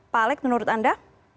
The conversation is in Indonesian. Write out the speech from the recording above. pak alec menurut anda